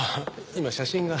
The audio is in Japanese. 今写真が。